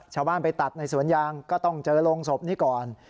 ชาวบ้านไปตัดในสวนยางก็ต้องเจอโรงศพนี้ก่อน